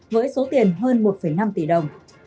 với số tiền hơn một năm tỷ đồng